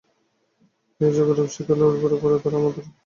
এই জগৎরূপ শিক্ষালয়ে পরোপকারের দ্বারা আমরা নিজেরাই নিজেদের উপকার করিয়া থাকি।